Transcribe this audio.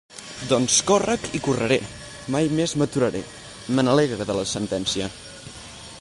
«Doncs, córrec i correré. Mai més m’aturaré. Me n'alegre, de la sentència.»